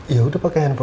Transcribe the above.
yaudah pake handphone